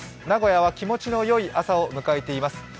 名古屋は気持ちのよい朝を迎えています。